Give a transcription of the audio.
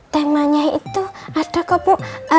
temanya itu ada kok bu